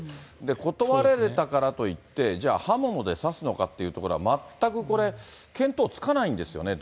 断られたからといって、じゃあ、刃物で刺すのかっていうところは、全くこれ、見当つかないんですよ